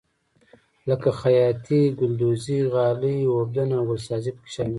لکه خیاطي ګلدوزي غالۍ اوبدنه او ګلسازي پکې شامل دي.